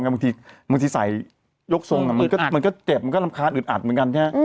บางทีใส่ยกทรงมันก็เจ็บมันก็รำคาญอึดอัดเหมือนกันแค่